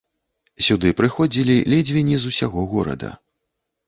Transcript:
Сюды прыходзілі ледзьве не з усяго горада.